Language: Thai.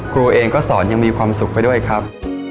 ครูเองก็สอนยังมีความสุขไปด้วยครับ